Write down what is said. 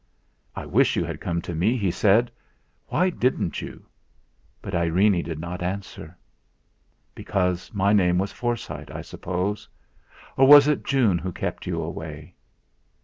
"I wish you had come to me," he said. "Why didn't you?" But Irene did not answer. "Because my name was Forsyte, I suppose? Or was it June who kept you away?